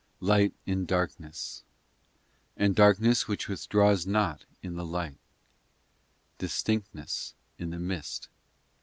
xv Light in darkness ; And darkness which withdraws not in the light ; Distinctness in the mist